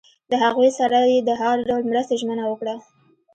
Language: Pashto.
له هغوی سره یې د هر ډول مرستې ژمنه وکړه.